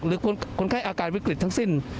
หรือคนไข้อาการวิกฤตทั้งสิ้น